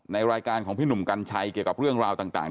ในรายการของพี่หนุ่มกัญชัยเกี่ยวกับเรื่องราวต่าง